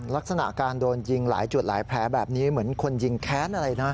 ลักษณะการโดนยิงหลายจุดหลายแผลแบบนี้เหมือนคนยิงแค้นอะไรนะ